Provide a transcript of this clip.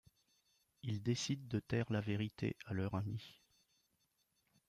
Ils décident de taire la vérité à leur ami.